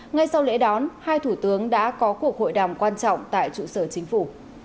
ngay sau lễ đón hai thủ tướng đã có cuộc hội đàm quan trọng tại trụ sở chính phủ